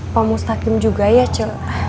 pamustakim juga ya ce